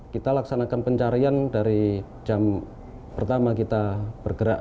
kita laksanakan pencarian dari jam pertama kita bergerak